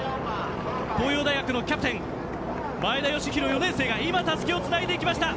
東洋大学のキャプテン前田義弘、４年生がたすきをつないでいきました。